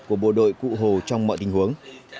của bộ đội cụ hồ trong mọi tình huống